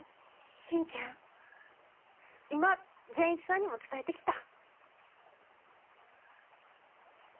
今善一さんにも伝えてきた。